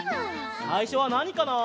さいしょはなにかな？